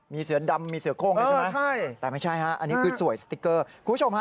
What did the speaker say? มีเสือดำมีเสือโค้งด้วยใช่ไหมใช่แต่ไม่ใช่ฮะอันนี้คือสวยสติ๊กเกอร์คุณผู้ชมฮะ